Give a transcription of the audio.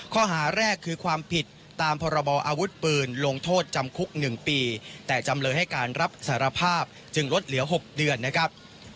ข้อหาแรกคือความผิดตามพรบออาวุธปืนลงโทษจำคุก๑ปีแต่จำเลยให้การรับสารภาพจึงลดเหลือ๖เดือนนะครับ